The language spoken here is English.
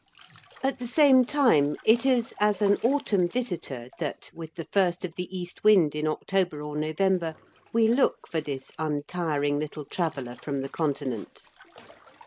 At the same time, it is as an autumn visitor that, with the first of the east wind in October or November, we look for this untiring little traveller from the Continent.